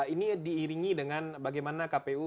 ini diiringi dengan bagaimana kpu